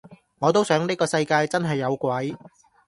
我都想呢個世界真係有鬼